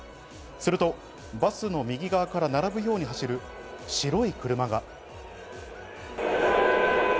すると、バスの右側から並ぶように走る白い車が。